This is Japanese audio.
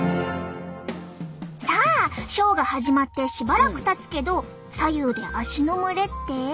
さあショーが始まってしばらくたつけど左右で足の蒸れって？